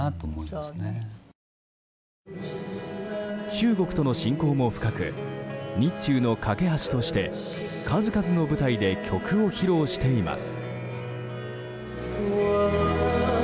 中国との親交も深く日中の懸け橋として数々の舞台で曲を披露しています。